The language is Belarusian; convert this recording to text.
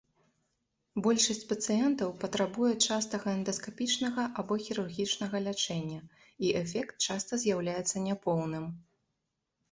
Большасць пацыентаў патрабуе частага эндаскапічнага або хірургічнага лячэння, і эфект часта з'яўляецца няпоўным.